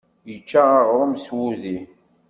Yečča aɣrum s wudi.